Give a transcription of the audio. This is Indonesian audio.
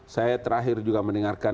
saya terakhir juga mendengarkan